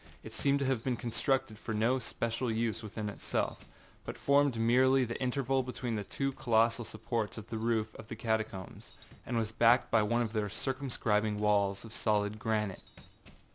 It seemed to have been constructed for no especial use in itself, but formed merely the interval between two of the colossal supports of the roof of the catacombs, and was backed by one of their circumscribing walls of solid granite.